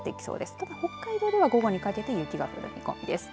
ただ北海道では午後にかけて雪が降る見込みです。